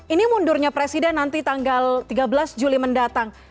ini mundurnya presiden nanti tanggal tiga belas juli mendatang